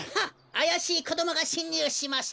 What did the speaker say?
あやしいこどもがしんにゅうしました。